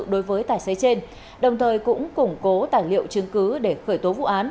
đối với tài xế trên đồng thời cũng củng cố tài liệu chứng cứ để khởi tố vụ án